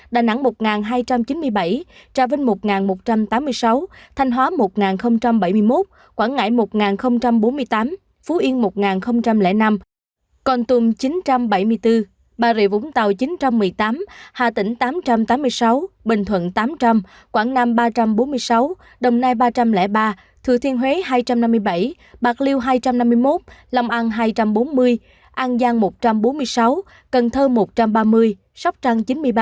đà nẵng một hai trăm chín mươi bảy tra vinh một một trăm tám mươi sáu thanh hóa một bảy mươi một quảng ngãi một bốn mươi tám phú yên một năm còn tùm chín bảy mươi bốn bà rịa vũng tàu chín một mươi tám hà tĩnh tám tám mươi sáu bình thuận tám quảng nam ba bốn mươi sáu đồng nai ba ba thừa thiên huế hai năm mươi bảy bạc liêu hai năm mươi một lòng an hai bốn mươi an giang một bốn mươi sáu cần thơ một ba mươi sóc trăng chín ba mươi đà nẵng một hai trăm chín mươi bảy hà tĩnh một một trăm tám mươi sáu thanh hóa một bảy mươi một quảng ngãi một bảy mươi tám phú yên một năm mươi năm còn tùm chín bảy mươi bốn bà rịa vũng t